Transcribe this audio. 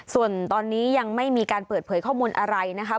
ส่วนตอนนี้ยังไม่มีการเปิดเผยข้อมูลอะไรนะคะ